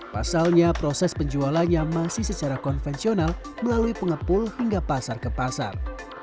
pasalnya proses penjualannya masih secara konvensional melalui pengepul hingga pasar ke pasar